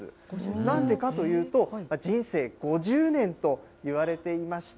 なんでかというと、人生５０年といわれていました。